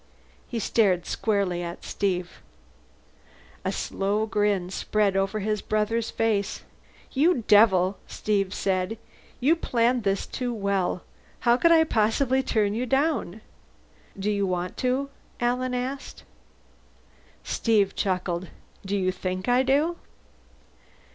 He stared squarely at Steve. A slow grin spread over his brother's face. "You devil," Steve said. "You've planned this too well. How could I possibly turn you down?" "Do you want to?" Alan asked. Steve chuckled. "Do you think I do?"